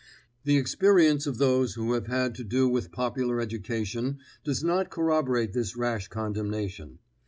The experience of those who have had to do with popular education does not corroborate this rash condemnation.